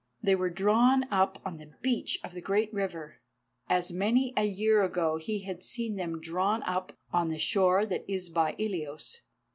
They were drawn up on the beach of the great river, as many a year ago he had seen them drawn up on the shore that is by Ilios.